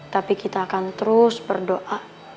tapi kita akan terus berdoa